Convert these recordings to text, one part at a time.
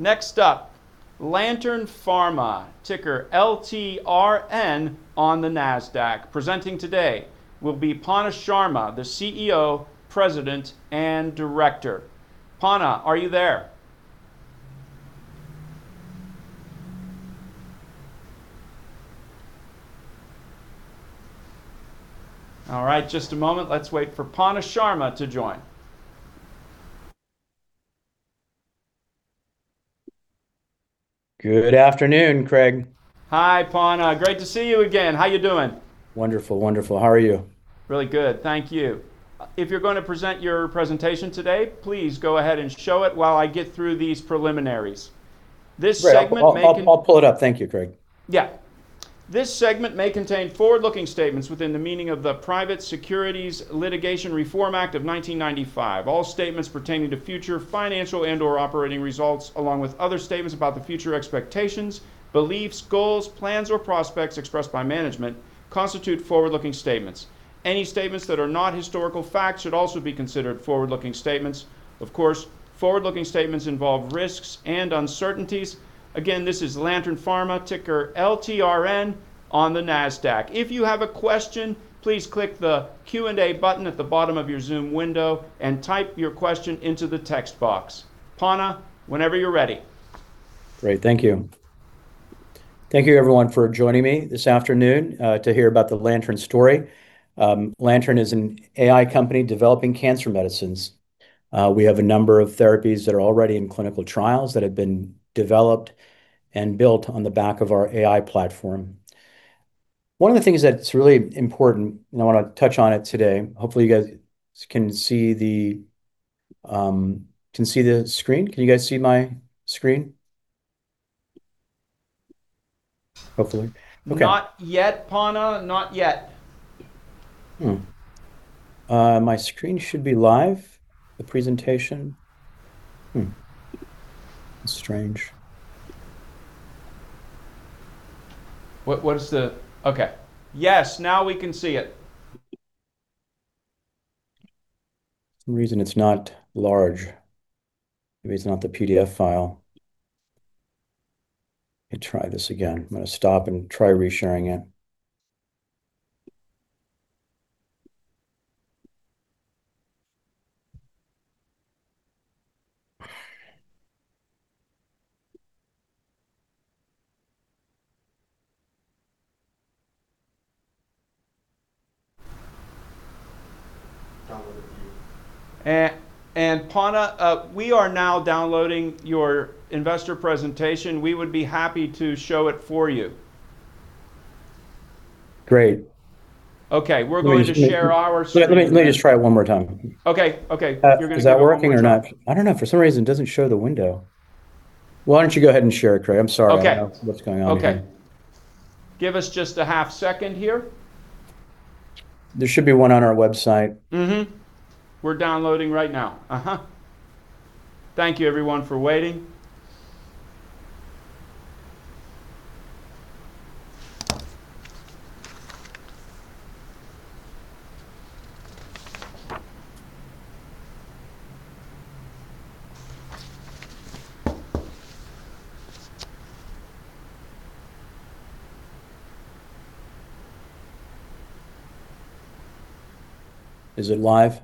Next up, Lantern Pharma, ticker LTRN on the Nasdaq. Presenting today will be Panna Sharma, the CEO, President, and Director. Panna, are you there? All right, just a moment. Let's wait for Panna Sharma to join. Good afternoon, Craig. Hi, Panna. Great to see you again. How are you doing? Wonderful. How are you? Really good. Thank you. If you're going to present your presentation today, please go ahead and show it while I get through these preliminaries. This segment may con- Great. I'll pull it up. Thank you, Craig. Yeah. This segment may contain forward-looking statements within the meaning of the Private Securities Litigation Reform Act of 1995. All statements pertaining to future financial and/or operating results, along with other statements about the future expectations, beliefs, goals, plans, or prospects expressed by management, constitute forward-looking statements. Any statements that are not historical facts should also be considered forward-looking statements. Of course, forward-looking statements involve risks and uncertainties. Again, this is Lantern Pharma, ticker LTRN on the Nasdaq. If you have a question, please click the Q&A button at the bottom of your Zoom window and type your question into the text box. Panna, whenever you're ready. Great. Thank you. Thank you, everyone, for joining me this afternoon to hear about the Lantern story. Lantern is an AI company developing cancer medicines. We have a number of therapies that are already in clinical trials that have been developed and built on the back of our AI platform. One of the things that's really important, and I want to touch on it today. Hopefully, you guys can see the screen. Can you guys see my screen? Hopefully. Okay. Not yet, Panna. Not yet. My screen should be live, the presentation. That's strange. Okay. Yes, now we can see it. some reason it's not large. Maybe it's not the PDF file. Let me try this again. I'm going to stop and try re-sharing it. Panna, we are now downloading your investor presentation. We would be happy to show it for you. Great. Okay. We're going to share our screen. Let me just try it one more time. Okay. You're going to give it one more try. Is that working or not? I don't know. For some reason, it doesn't show the window. Why don't you go ahead and share it, Craig? I'm sorry. Okay. I don't know what's going on here. Give us just a half second here. There should be one on our website. We're downloading right now. Thank you, everyone, for waiting. Is it live?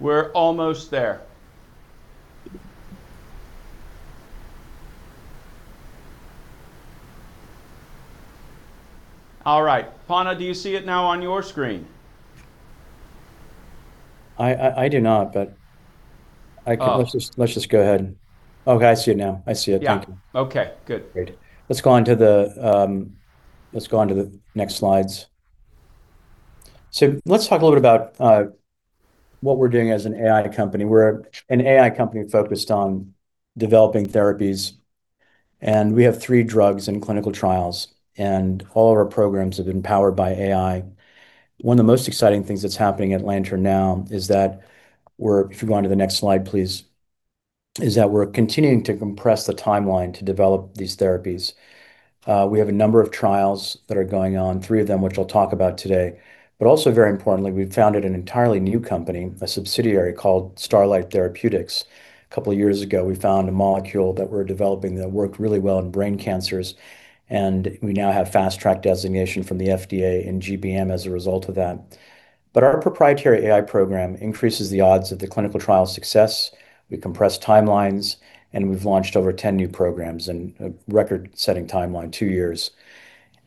We're almost there. All right. Panna, do you see it now on your screen? I do not. Oh Let's just go ahead. Okay, I see it now. I see it. Yeah. Thank you. Okay, good. Great. Let's go on to the next slides. Let's talk a little bit about what we're doing as an AI company. We're an AI company focused on developing therapies, and we have three drugs in clinical trials, and all of our programs have been powered by AI. One of the most exciting things that's happening at Lantern now, if you go on to the next slide, please, is that we're continuing to compress the timeline to develop these therapies. We have a number of trials that are going on, three of them which I'll talk about today. Also very importantly, we've founded an entirely new company, a subsidiary called Starlight Therapeutics. A couple of years ago, we found a molecule that we're developing that worked really well in brain cancers, and we now have Fast Track designation from the FDA in GBM as a result of that. Our proprietary AI program increases the odds of the clinical trial success. We compress timelines, and we've launched over 10 new programs in a record-setting timeline, 2 years.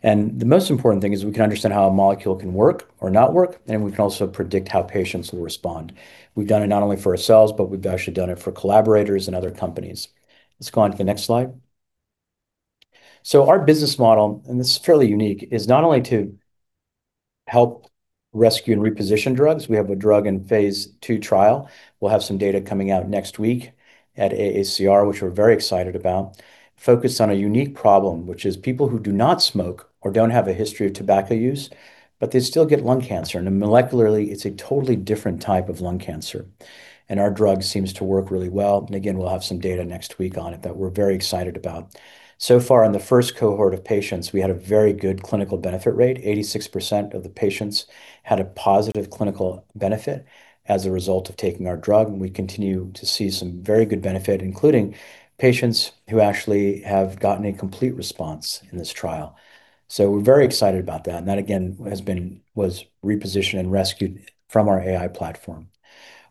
The most important thing is we can understand how a molecule can work or not work, and we can also predict how patients will respond. We've done it not only for ourselves, but we've actually done it for collaborators and other companies. Let's go on to the next slide. Our business model, and this is fairly unique, is not only to help rescue and reposition drugs. We have a drug in phase II trial. We'll have some data coming out next week at AACR, which we're very excited about, focused on a unique problem, which is people who do not smoke or don't have a history of tobacco use, but they still get lung cancer. Molecularly, it's a totally different type of lung cancer. Our drug seems to work really well. Again, we'll have some data next week on it that we're very excited about. So far in the first cohort of patients, we had a very good clinical benefit rate. 86% of the patients had a positive clinical benefit as a result of taking our drug, and we continue to see some very good benefit, including patients who actually have gotten a complete response in this trial. We're very excited about that, and that, again, was repositioned and rescued from our AI platform.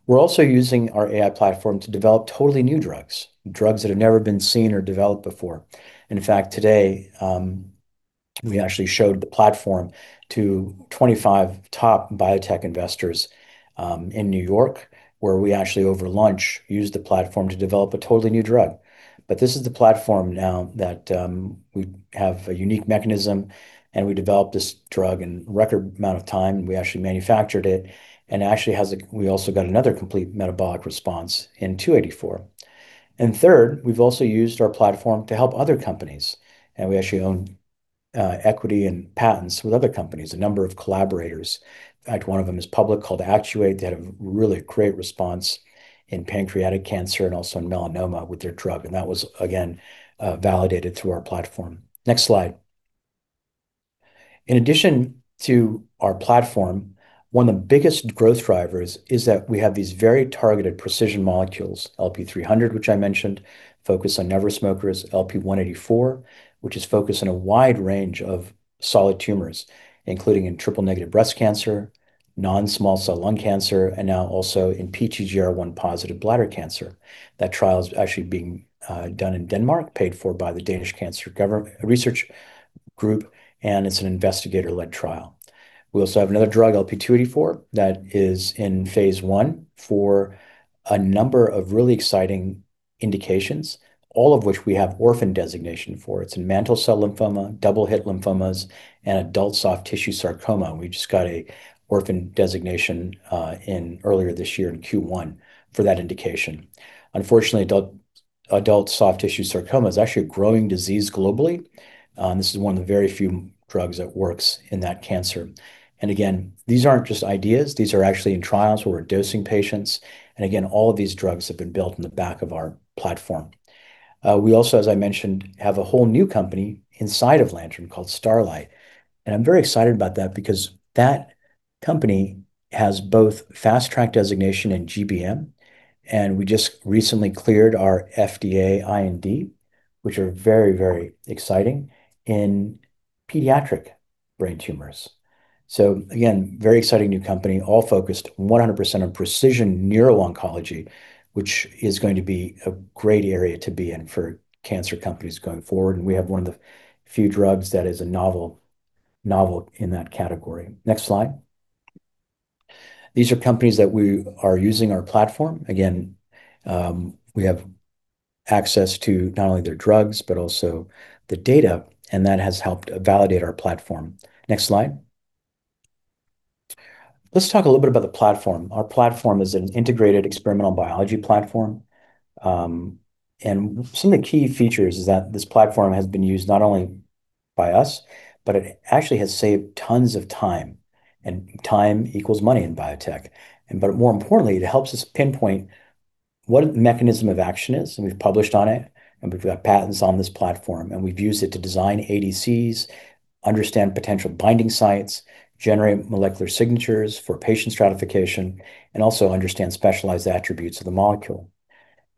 We're also using our AI platform to develop totally new drugs that have never been seen or developed before. In fact, today, we actually showed the platform to 25 top biotech investors in New York, where we actually, over lunch, used the platform to develop a totally new drug. This is the platform now that we have a unique mechanism, and we developed this drug in record amount of time, and we actually manufactured it, and we also got another complete metabolic response in LP-284. Third, we've also used our platform to help other companies. We actually own equity and patents with other companies, a number of collaborators. In fact, one of them is public, called Actuate. They had a really great response in pancreatic cancer and also in melanoma with their drug. That was, again, validated through our platform. Next slide. In addition to our platform, one of the biggest growth drivers is that we have these very targeted precision molecules, LP-300, which I mentioned, focused on never smokers, LP-184, which is focused on a wide range of solid tumors, including in triple-negative breast cancer, non-small cell lung cancer, and now also in PTGR1-positive bladder cancer. That trial is actually being done in Denmark, paid for by the Danish Cancer Society, and it's an investigator-led trial. We also have another drug, LP-284, that is in phase I for a number of really exciting indications, all of which we have orphan designation for. It's in mantle cell lymphoma, double-hit lymphomas, and adult soft tissue sarcoma. We just got an orphan designation earlier this year in Q1 for that indication. Unfortunately, adult soft tissue sarcoma is actually a growing disease globally. This is one of the very few drugs that works in that cancer. Again, these aren't just ideas. These are actually in trials where we're dosing patients. Again, all of these drugs have been built in the back of our platform. We also, as I mentioned, have a whole new company inside of Lantern called Starlight. I'm very excited about that because that company has both Fast Track designation and GBM. We just recently cleared our FDA IND, which are very, very exciting in pediatric brain tumors. Again, very exciting new company, all focused 100% on precision neuro-oncology, which is going to be a great area to be in for cancer companies going forward. We have one of the few drugs that is novel in that category. Next slide. These are companies that are using our platform. Again, we have access to not only their drugs, but also the data, and that has helped validate our platform. Next slide. Let's talk a little bit about the platform. Our platform is an integrated experimental biology platform. Some of the key features is that this platform has been used not only by us, but it actually has saved tons of time, and time equals money in biotech. More importantly, it helps us pinpoint what a mechanism of action is, and we've published on it, and we've got patents on this platform, and we've used it to design ADCs, understand potential binding sites, generate molecular signatures for patient stratification, and also understand specialized attributes of the molecule.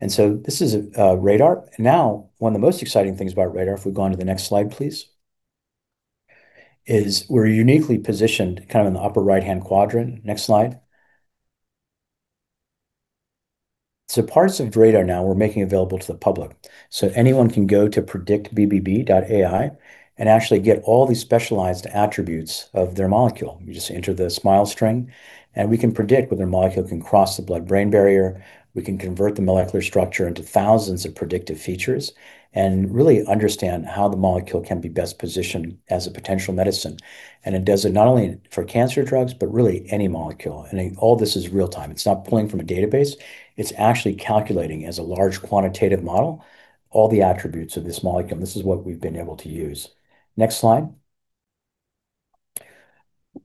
This is RADR. Now, one of the most exciting things about RADR, if we go on to the next slide, please, is we're uniquely positioned in the upper right-hand quadrant. Next slide. Parts of RADR now we're making available to the public. Anyone can go to predictbbb.ai and actually get all these specialized attributes of their molecule. You just enter the SMILES string, and we can predict whether a molecule can cross the blood-brain barrier. We can convert the molecular structure into thousands of predictive features and really understand how the molecule can be best positioned as a potential medicine. It does it not only for cancer drugs, but really any molecule. All this is real-time. It's not pulling from a database. It's actually calculating as a large quantitative model, all the attributes of this molecule, and this is what we've been able to use. Next slide.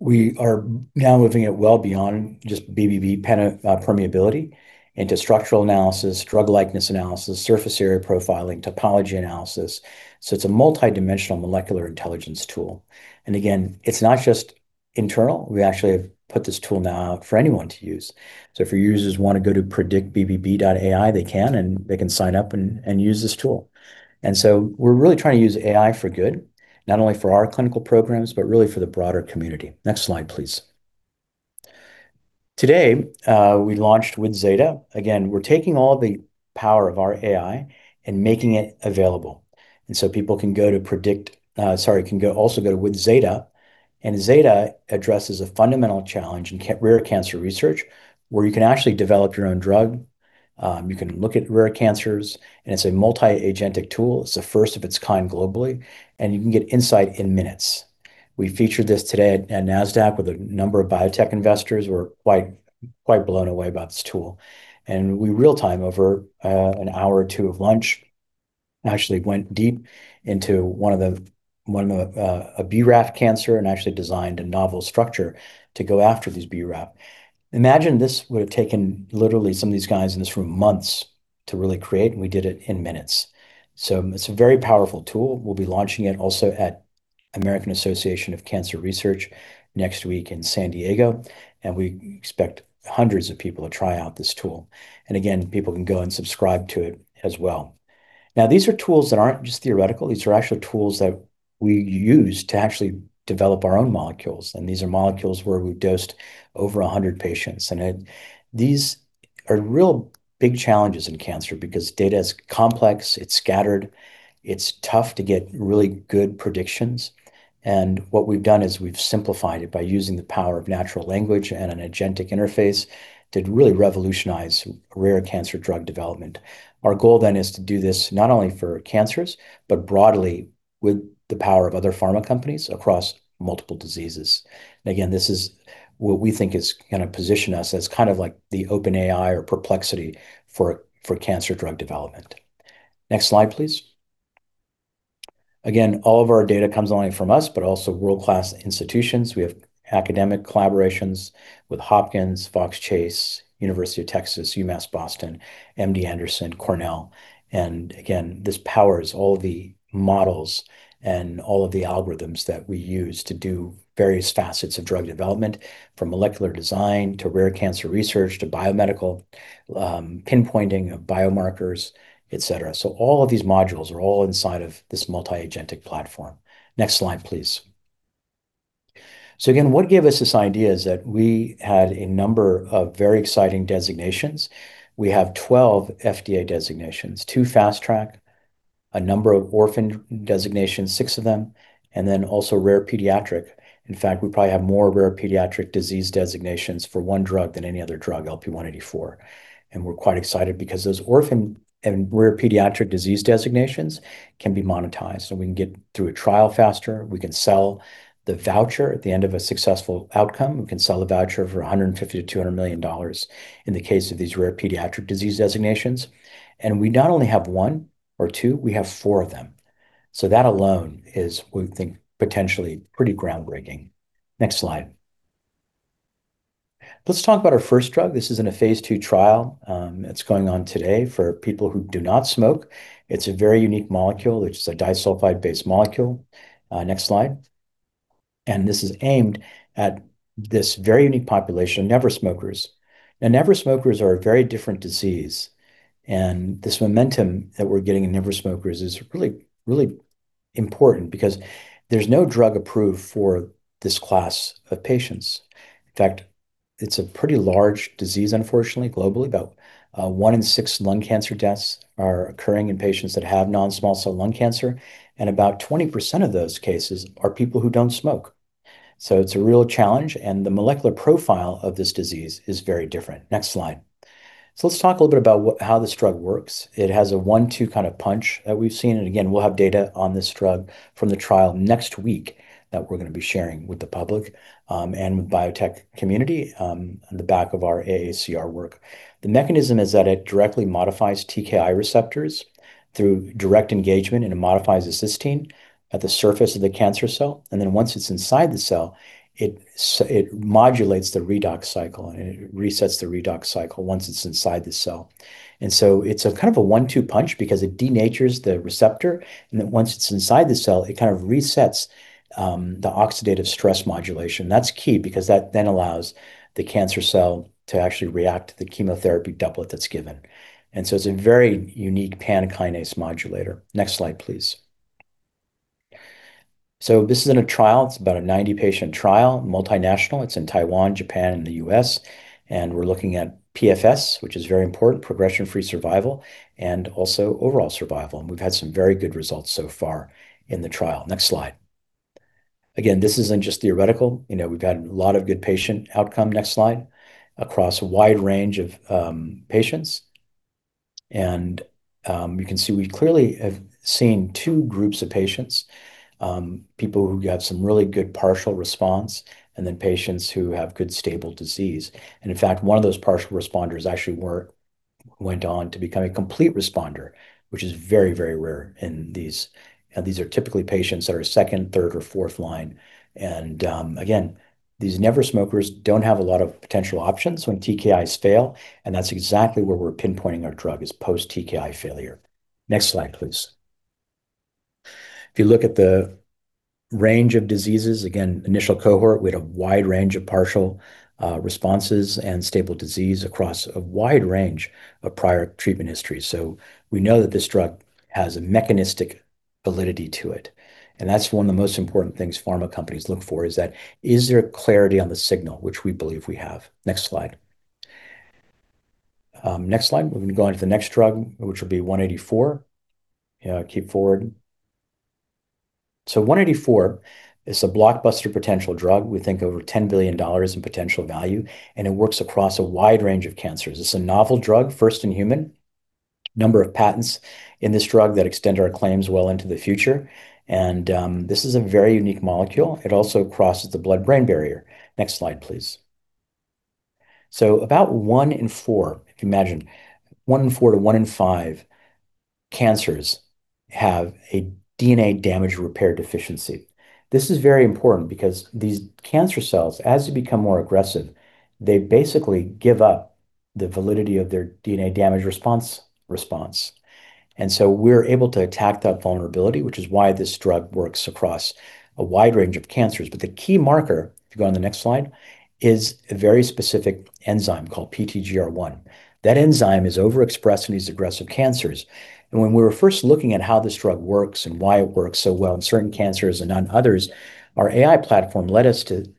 We are now moving it well beyond just BBB permeability into structural analysis, drug likeness analysis, surface area profiling, topology analysis. It's a multidimensional molecular intelligence tool. Again, it's not just internal. We actually have put this tool now out for anyone to use. If your users want to go to predictBBB.ai, they can, and they can sign up and use this tool. We're really trying to use AI for good, not only for our clinical programs, but really for the broader community. Next slide, please. Today, we launched withZeta. Again, we're taking all the power of our AI and making it available. People can go to withZeta, and withZeta addresses a fundamental challenge in rare cancer research, where you can actually develop your own drug. You can look at rare cancers, and it's a multi-agentic tool. It's the first of its kind globally, and you can get insight in minutes. We featured this today at Nasdaq with a number of biotech investors who were quite blown away by this tool. We real-time, over an hour or two of lunch, actually went deep into one of a BRAF cancer and actually designed a novel structure to go after this BRAF. Imagine this would have taken literally some of these guys in this room months to really create, and we did it in minutes. It's a very powerful tool. We'll be launching it also at American Association of Cancer Research next week in San Diego, and we expect hundreds of people to try out this tool. Again, people can go and subscribe to it as well. Now, these are tools that aren't just theoretical. These are actually tools that we use to actually develop our own molecules, and these are molecules where we've dosed over 100 patients. These are real big challenges in cancer because data is complex, it's scattered, it's tough to get really good predictions. What we've done is we've simplified it by using the power of natural language and an agentic interface to really revolutionize rare cancer drug development. Our goal then is to do this not only for cancers, but broadly with the power of other pharma companies across multiple diseases. Again, this is what we think is going to position us as kind of like the OpenAI or Perplexity for cancer drug development. Next slide, please. All of our data comes not only from us, but also world-class institutions. We have academic collaborations with Hopkins, Fox Chase, University of Texas, UMass Boston, MD Anderson, Cornell, and again, this powers all the models and all of the algorithms that we use to do various facets of drug development, from molecular design, to rare cancer research, to biomedical, pinpointing of biomarkers, et cetera. All of these modules are all inside of this multi-agentic platform. Next slide, please. Again, what gave us this idea is that we had a number of very exciting designations. We have 12 FDA designations, two Fast Track, a number of orphan designations, six of them, and then also rare pediatric. In fact, we probably have more rare pediatric disease designations for one drug than any other drug, LP-184. We're quite excited because those orphan and rare pediatric disease designations can be monetized. We can get through a trial faster. We can sell the voucher at the end of a successful outcome. We can sell the voucher for $150 million-$200 million in the case of these rare pediatric disease designations. We not only have one or two, we have four of them. That alone is, we think, potentially pretty groundbreaking. Next slide. Let's talk about our first drug. This is in a phase II trial. It's going on today for people who do not smoke. It's a very unique molecule, which is a disulfide-based molecule. Next slide. This is aimed at this very unique population of never smokers. Never smokers are a very different disease, and this momentum that we're getting in never smokers is really important because there's no drug approved for this class of patients. In fact, it's a pretty large disease, unfortunately, globally. About one in six lung cancer deaths are occurring in patients that have non-small cell lung cancer, and about 20% of those cases are people who don't smoke. It's a real challenge, and the molecular profile of this disease is very different. Next slide. Let's talk a little bit about how this drug works. It has a one-two kind of punch that we've seen, and again, we'll have data on this drug from the trial next week that we're going to be sharing with the public and with the biotech community on the back of our AACR work. The mechanism is that it directly modifies TKI receptors through direct engagement, and it modifies the cysteine at the surface of the cancer cell. Then once it's inside the cell, it modulates the redox cycle, and it resets the redox cycle once it's inside the cell. It's a kind of a one-two punch because it denatures the receptor, and then once it's inside the cell, it kind of resets the oxidative stress modulation. That's key because that then allows the cancer cell to actually react to the chemotherapy doublet that's given. It's a very unique pan-kinase modulator. Next slide, please. This is in a trial. It's about a 90-patient trial, multinational. It's in Taiwan, Japan, and the U.S. We're looking at PFS, which is very important, progression-free survival, and also overall survival. We've had some very good results so far in the trial. Next slide. Again, this isn't just theoretical. We've had a lot of good patient outcome, next slide, across a wide range of patients. You can see we clearly have seen two groups of patients, people who have some really good partial response, and then patients who have good stable disease. In fact, one of those partial responders actually went on to become a complete responder, which is very, very rare in these. These are typically patients that are second, third, or fourth line. Again, these never smokers don't have a lot of potential options when TKIs fail, and that's exactly where we're pinpointing our drug is post-TKI failure. Next slide, please. If you look at the range of diseases, again, initial cohort, we had a wide range of partial responses and stable disease across a wide range of prior treatment histories. We know that this drug has a mechanistic validity to it, and that's one of the most important things pharma companies look for is that is there clarity on the signal, which we believe we have. Next slide. Next slide, we're going to go on to the next drug, which will be LP-184. Keep forward. LP-184 is a blockbuster potential drug. We think over $10 billion in potential value, and it works across a wide range of cancers. It's a novel drug, first in human. Number of patents in this drug that extend our claims well into the future. This is a very unique molecule. It also crosses the blood-brain barrier. Next slide, please. About one in four, if you imagine, one in four to one in five cancers have a DNA damage repair deficiency. This is very important because these cancer cells, as they become more aggressive, they basically give up the validity of their DNA damage response. We're able to attack that vulnerability, which is why this drug works across a wide range of cancers. The key marker, if you go on the next slide, is a very specific enzyme called PTGR1. That enzyme is overexpressed in these aggressive cancers. When we were first looking at how this drug works and why it works so well in certain cancers and not others, our AI platform led us to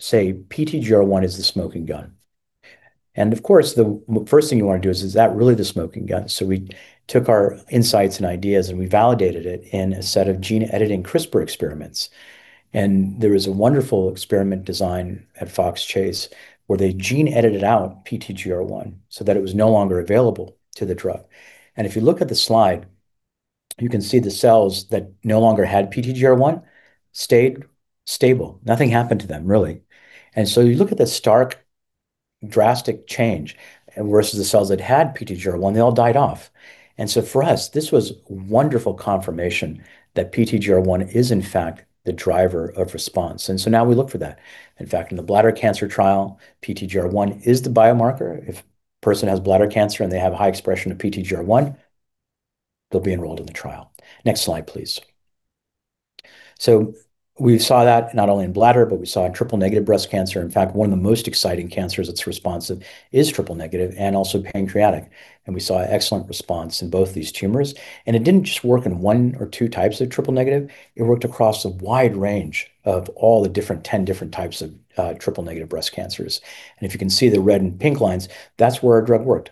say PTGR1 is the smoking gun. Of course, the first thing you want to do is that really the smoking gun? We took our insights and ideas, and we validated it in a set of gene editing CRISPR experiments. There was a wonderful experiment design at Fox Chase where they gene-edited out PTGR1 so that it was no longer available to the drug. If you look at the slide, you can see the cells that no longer had PTGR1 stayed stable. Nothing happened to them, really. You look at the stark, drastic change versus the cells that had PTGR1, they all died off. For us, this was wonderful confirmation that PTGR1 is in fact the driver of response. Now we look for that. In fact, in the bladder cancer trial, PTGR1 is the biomarker. If a person has bladder cancer and they have a high expression of PTGR1, they'll be enrolled in the trial. Next slide, please. We saw that not only in bladder, but we saw in triple-negative breast cancer. In fact, one of the most exciting cancers that's responsive is triple-negative and also pancreatic. We saw an excellent response in both these tumors. It didn't just work in one or two types of triple-negative. It worked across a wide range of all the 10 different types of triple-negative breast cancers. If you can see the red and pink lines, that's where our drug worked.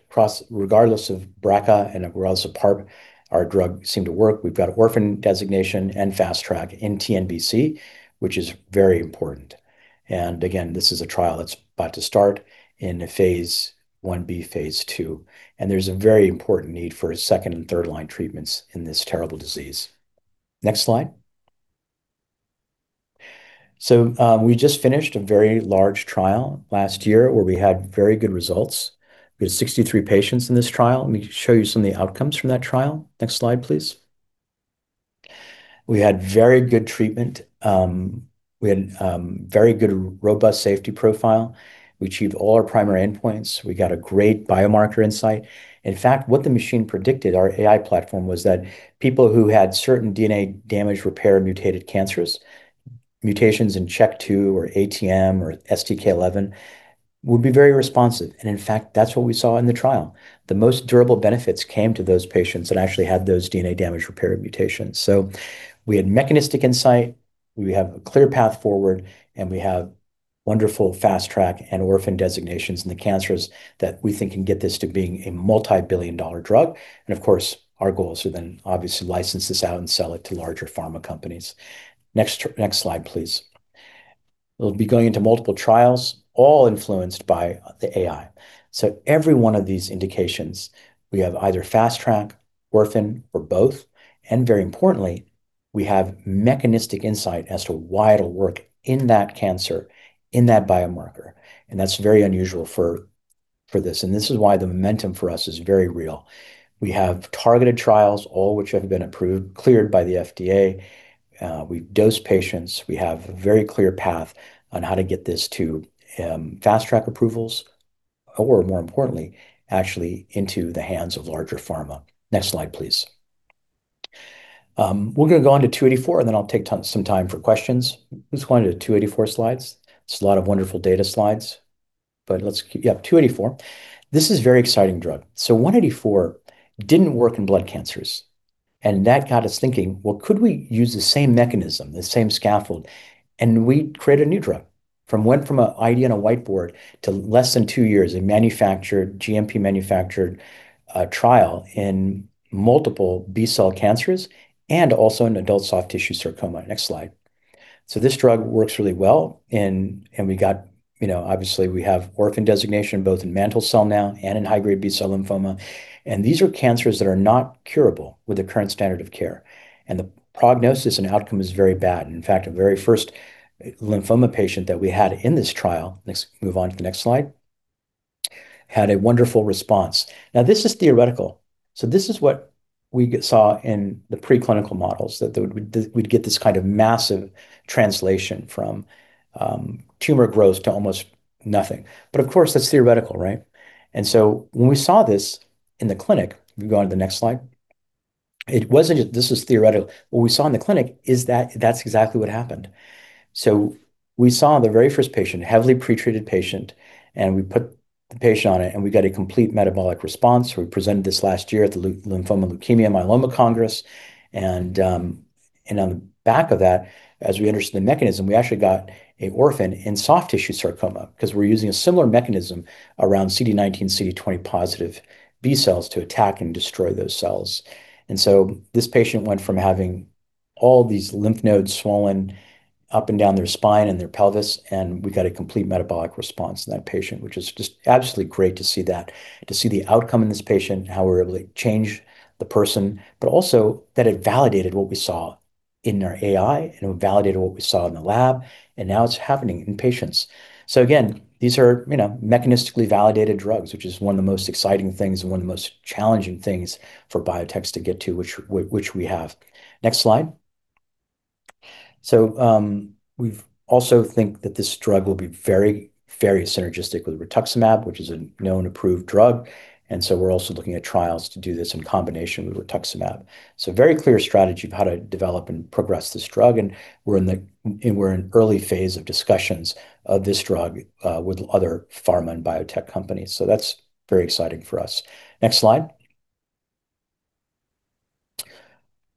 Regardless of BRCA and regardless of PARP, our drug seemed to work. We've got orphan designation and fast track in TNBC, which is very important. Again, this is a trial that's about to start in a phase I-b/II, and there's a very important need for second- and third-line treatments in this terrible disease. Next slide. We just finished a very large trial last year where we had very good results. We had 63 patients in this trial. Let me show you some of the outcomes from that trial. Next slide, please. We had very good treatment. We had very good, robust safety profile. We achieved all our primary endpoints. We got a great biomarker insight. In fact, what the machine predicted, our AI platform, was that people who had certain DNA damage repair mutated cancers, mutations in CHEK2 or ATM or STK11, would be very responsive. In fact, that's what we saw in the trial. The most durable benefits came to those patients that actually had those DNA damage repair mutations. We had mechanistic insight, we have a clear path forward, and we have wonderful Fast Track and Orphan Drug designations in the cancers that we think can get this to being a multi-billion-dollar drug. Of course, our goals are then obviously license this out and sell it to larger pharma companies. Next slide, please. We'll be going into multiple trials, all influenced by the AI. Every one of these indications, we have either Fast Track, Orphan, or both, and very importantly, we have mechanistic insight as to why it'll work in that cancer, in that biomarker, and that's very unusual for this. This is why the momentum for us is very real. We have targeted trials, all which have been approved, cleared by the FDA. We've dosed patients. We have a very clear path on how to get this to Fast Track approvals or, more importantly, actually into the hands of larger pharma. Next slide, please. We're going to go on to LP-284, and then I'll take some time for questions. Let's go on to the LP-284 slides. It's a lot of wonderful data slides. Yeah, LP-284. This is a very exciting drug. LP-184 didn't work in blood cancers, and that got us thinking, "Well, could we use the same mechanism, the same scaffold, and we create a new drug?" We went from an idea on a whiteboard to less than two years, a GMP manufactured trial in multiple B-cell cancers and also in adult soft tissue sarcoma. Next slide. This drug works really well, and obviously, we have orphan designation both in mantle cell now and in high-grade B-cell lymphoma, and these are cancers that are not curable with the current standard of care, and the prognosis and outcome is very bad. In fact, the very first lymphoma patient that we had in this trial, let's move on to the next slide, had a wonderful response. Now, this is theoretical. This is what we saw in the preclinical models, that we'd get this kind of massive translation from tumor growth to almost nothing. Of course, that's theoretical, right? When we saw this in the clinic, we can go on to the next slide, this is theoretical. What we saw in the clinic, that's exactly what happened. We saw the very first patient, heavily pretreated patient, and we put the patient on it, and we got a complete metabolic response. We presented this last year at the Lymphoma, Leukemia & Myeloma Congress. On the back of that, as we understood the mechanism, we actually got an orphan in soft tissue sarcoma because we're using a similar mechanism around CD19, CD20 positive B-cells to attack and destroy those cells. This patient went from having all these lymph nodes swollen up and down their spine and their pelvis, and we got a complete metabolic response in that patient, which is just absolutely great to see that, to see the outcome in this patient, how we were able to change the person, but also that it validated what we saw in our AI, and it validated what we saw in the lab, and now it's happening in patients. Again, these are mechanistically validated drugs, which is one of the most exciting things and one of the most challenging things for biotechs to get to, which we have. Next slide. We also think that this drug will be very synergistically with rituximab, which is a known approved drug. We're also looking at trials to do this in combination with rituximab. Very clear strategy of how to develop and progress this drug, and we're in early phase of discussions of this drug with other pharma and biotech companies. That's very exciting for us. Next slide.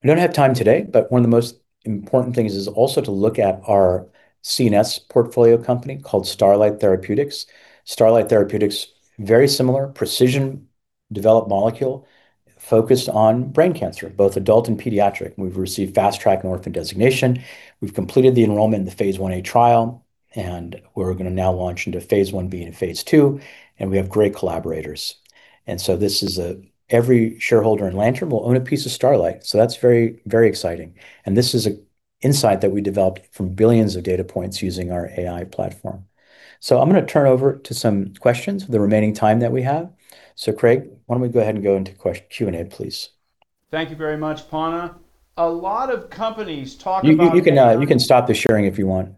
We don't have time today, but one of the most important things is also to look at our CNS portfolio company called Starlight Therapeutics. Starlight Therapeutics, very similar precision developed molecule focused on brain cancer, both adult and pediatric. We've received Fast Track and Orphan Designation. We've completed the enrollment in the phase Ia trial, and we're going to now launch into phase Ib and phase II, and we have great collaborators. Every shareholder in Lantern will own a piece of Starlight, so that's very exciting. This is an insight that we developed from billions of data points using our AI platform. I'm going to turn over to some questions for the remaining time that we have. Craig, why don't we go ahead and go into Q&A, please. Thank you very much, Panna. A lot of companies talk about. You can stop the sharing if you want.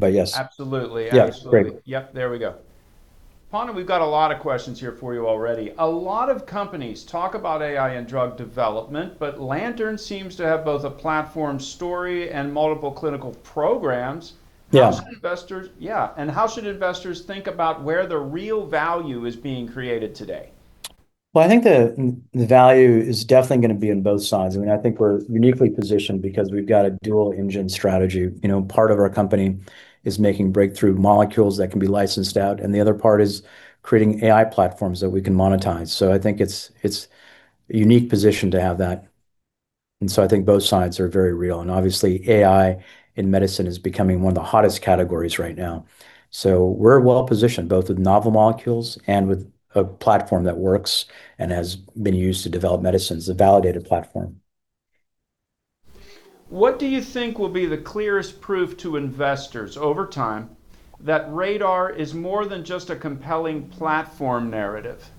Yes. Absolutely. Yeah. Great. Yep. There we go. Panna, we've got a lot of questions here for you already. A lot of companies talk about AI in drug development, but Lantern seems to have both a platform story and multiple clinical programs. Yeah. Yeah. How should investors think about where the real value is being created today? Well, I think the value is definitely going to be in both sides. I think we're uniquely positioned because we've got a dual engine strategy. Part of our company is making breakthrough molecules that can be licensed out, and the other part is creating AI platforms that we can monetize. I think it's a unique position to have that. I think both sides are very real. Obviously, AI in medicine is becoming one of the hottest categories right now. We're well-positioned both with novel molecules and with a platform that works and has been used to develop medicines, a validated platform. What do you think will be the clearest proof to investors over time that RADR is more than just a compelling platform narrative?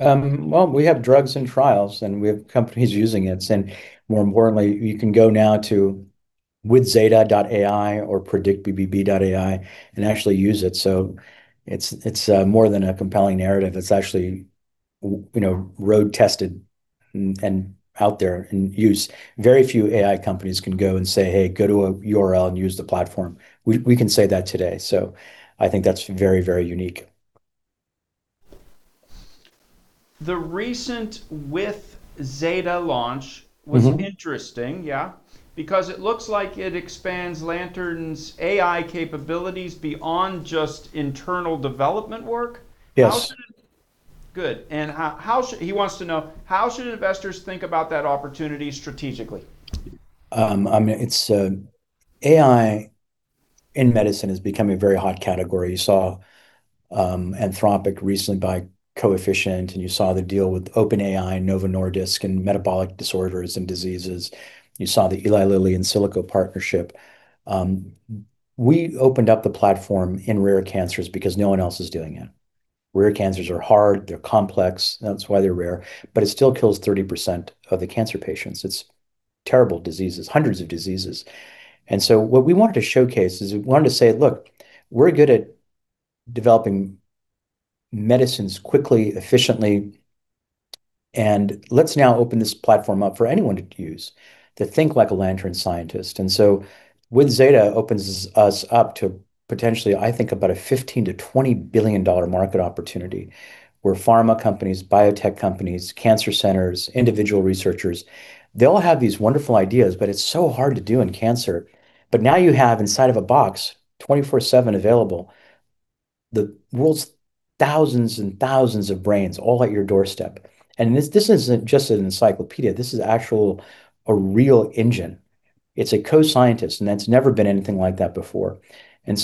Well, we have drugs and trials, and we have companies using it. More importantly, you can go now to withzeta.ai or predictbbb.ai and actually use it. It's more than a compelling narrative. It's actually road tested and out there in use. Very few AI companies can go and say, "Hey, go to a URL and use the platform." We can say that today. I think that's very unique. The recent withZeta launch Mm-hmm It was interesting, yeah, because it looks like it expands Lantern's AI capabilities beyond just internal development work. Yes. Good. He wants to know, how should investors think about that opportunity strategically? AI in medicine is becoming a very hot category. You saw Anthropic recently buy Coefficient Bio, and you saw the deal with OpenAI, Novo Nordisk in metabolic disorders and diseases. You saw the Eli Lilly Insilico partnership. We opened up the platform in rare cancers because no one else is doing it. Rare cancers are hard, they're complex. That's why they're rare, but it still kills 30% of the cancer patients. It's terrible diseases, hundreds of diseases. What we wanted to showcase is we wanted to say, "Look, we're good at developing medicines quickly, efficiently, and let's now open this platform up for anyone to use to think like a Lantern scientist." withZeta opens us up to potentially, I think, about a $15 billion-$20 billion market opportunity where pharma companies, biotech companies, cancer centers, individual researchers, they all have these wonderful ideas, but it's so hard to do in cancer. Now you have inside of a box, 24/7 available, the world's thousands and thousands of brains all at your doorstep. This isn't just an encyclopedia. This is actually a real engine. It's a co-scientist, and it's never been anything like that before.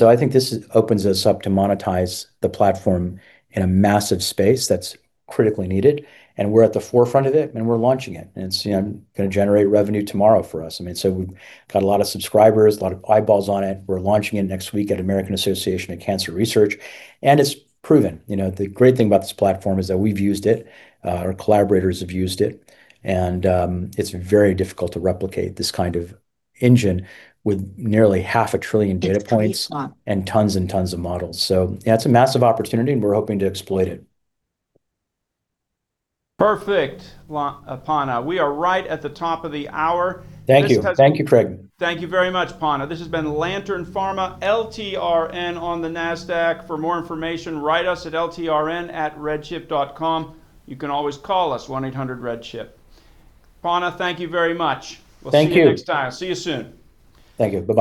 I think this opens us up to monetize the platform in a massive space that's critically needed. We're at the forefront of it, and we're launching it. It's going to generate revenue tomorrow for us. We've got a lot of subscribers, a lot of eyeballs on it. We're launching it next week at American Association for Cancer Research, and it's proven. The great thing about this platform is that we've used it, our collaborators have used it, and it's very difficult to replicate this kind of engine with nearly half a trillion data points. It's a great spot. Tons and tons of models. Yeah, it's a massive opportunity, and we're hoping to exploit it. Perfect, Panna. We are right at the top of the hour. Thank you, Craig. Thank you very much, Panna. This has been Lantern Pharma, LTRN on the Nasdaq. For more information, write us at ltrn@redchip.com. You can always call us, 1-800-REDCHIP. Panna, thank you very much. Thank you. We'll see you next time. See you soon. Thank you. Bye-bye.